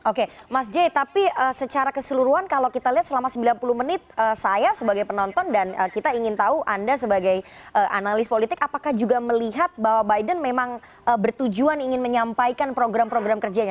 oke mas j tapi secara keseluruhan kalau kita lihat selama sembilan puluh menit saya sebagai penonton dan kita ingin tahu anda sebagai analis politik apakah juga melihat bahwa biden memang bertujuan ingin menyampaikan program program kerjanya